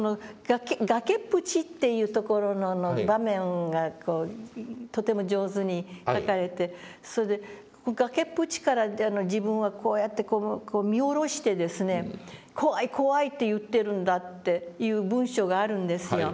崖っぷちというところの場面がこうとても上手に書かれてそれで崖っぷちから自分はこうやってこう見下ろしてですね怖い怖いと言ってるんだっていう文章があるんですよ。